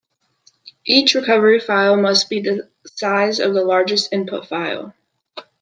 Each recovery file must be the size of the largest input file.